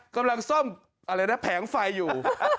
กำลังซ่อมแผงไฟอยู่